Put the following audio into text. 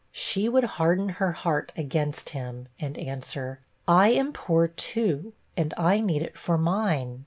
She would harden her heart against him, and answer 'I am poor too, and I need it for mine.'